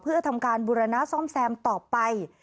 เพื่อทำการบูรณะซ่อมแซมต่อไป